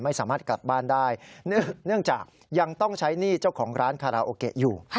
ไม่สามารถกลับบ้านได้เนื่องจากยังต้องใช้หนี้เจ้าของร้านคาราโอเกะอยู่